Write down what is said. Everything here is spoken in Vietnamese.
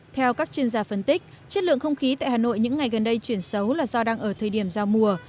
theo các chuyên gia phân tích chất lượng không khí tại hà nội những ngày gần đây chuyển xấu là do đang ở thời điểm giao mùa